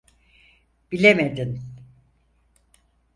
Bilemedin.